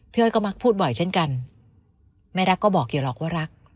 อ้อยก็มักพูดบ่อยเช่นกันไม่รักก็บอกอย่าหรอกว่ารัก